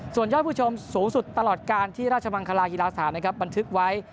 ส่วนยอดผู้ชมสูงสุดตลอดการที่ราชมังคลากีฬาสถานนะครับบันทึกไว้